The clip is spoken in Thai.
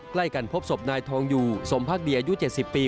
ใกล้กันพบศพนายทองอยู่สมพักดีอายุ๗๐ปี